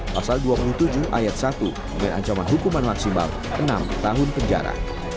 pasal dua puluh tujuh ayat satu dengan ancaman hukuman maksimal enam tahun penjara